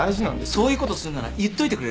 そういうことするなら言っといてくれる？